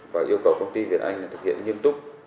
và yêu cầu công ty việt anh thực hiện nghiêm túc